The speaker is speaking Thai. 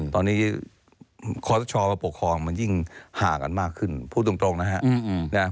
ตอนนี้คอสชมาปกครองมันยิ่งห่างกันมากขึ้นพูดตรงนะฮะ